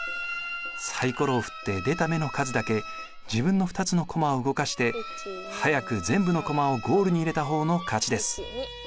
サイコロを振って出た目の数だけ自分の２つの駒を動かして早く全部の駒をゴールに入れた方の勝ちです。